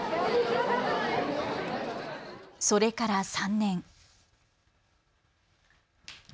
それから３年。